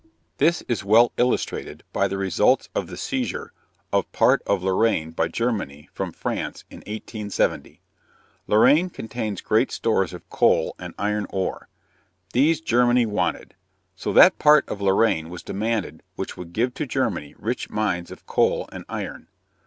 This is well illustrated by the results of the seizure of part of Lorraine by Germany from France in 1870. Lorraine contains great stores of coal and iron ore. These Germany wanted. So that part of Lorraine was demanded which would give to Germany rich mines of coal and iron.